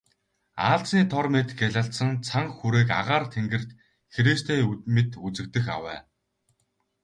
Аалзны тор мэт гялалзсан цан хүүрэг агаар тэнгэрт хэрээстэй мэт үзэгдэх авай.